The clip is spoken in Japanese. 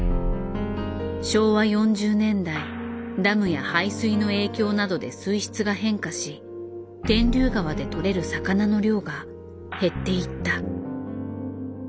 昭和４０年代ダムや排水の影響などで水質が変化し天竜川で取れる魚の量が減っていった。